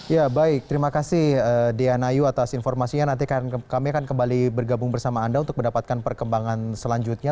ya baik terima kasih dea nayu atas informasinya nanti kami akan kembali bergabung bersama anda untuk mendapatkan perkembangan selanjutnya